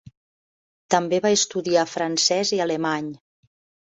També va estudiar francès i alemany.